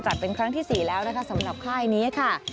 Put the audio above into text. เป็นครั้งที่๔แล้วนะคะสำหรับค่ายนี้ค่ะ